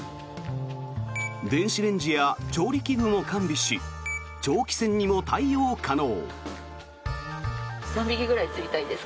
電子レンジや調理器具も完備し長期戦にも対応可能。